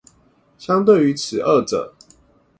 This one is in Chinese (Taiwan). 相對於此二者